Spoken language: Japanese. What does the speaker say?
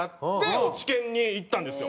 落研に行ったんですよ。